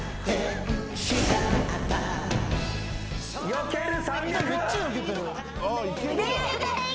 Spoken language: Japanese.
よける。